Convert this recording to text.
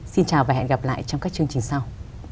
xin chào và hẹn gặp lại trong các chương trình sau